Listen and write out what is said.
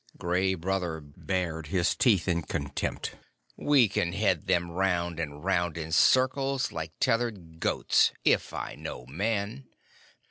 Gray Brother bared his white teeth in contempt. "We can head them round and round in circles like tethered goats if I know Man."